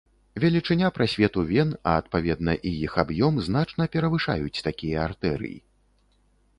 Велічыня прасвету вен, а адпаведна і іх аб'ём, значна перавышаюць такія артэрый.